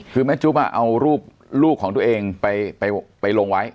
คือแม่จุ๊บเอารูปลูกของตัวเองไปลงไว้